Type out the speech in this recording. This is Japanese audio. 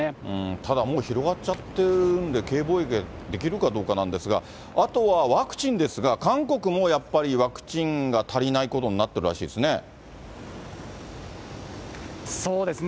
ただもう広がっちゃってるんで、Ｋ防疫ができるかどうかなんですが、あとはワクチンですが、韓国もやっぱり、ワクチンが足りないことになってるらしいですね。